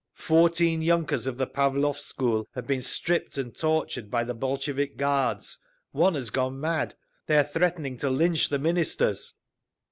Fourteen yunkers of the Pavlovsk school have been stripped and tortured by the Bolshevik guards. One has gone mad. They are threatening to lynch the Ministers!"